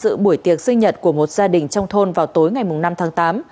trong sự buổi tiệc sinh nhật của một gia đình trong thôn vào tối ngày năm tháng tám